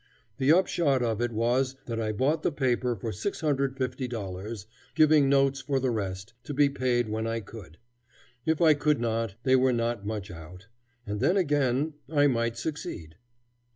The upshot of it was that I bought the paper for $650, giving notes for the rest, to be paid when I could. If I could not, they were not much out. And then, again, I might succeed.